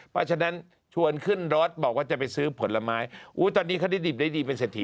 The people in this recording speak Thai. เพราะฉะนั้นชวนขึ้นรถบอกว่าจะไปซื้อผลไม้อุ้ยตอนนี้เขาได้ดิบได้ดีเป็นเศรษฐี